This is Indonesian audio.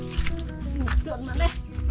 sini kelas mana